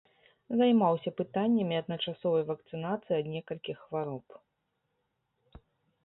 Займаўся пытаннямі адначасовай вакцынацыі ад некалькіх хвароб.